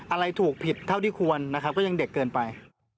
อะไรถูกผิดเท่าที่ควรนะครับก็ยังเด็กเกินไป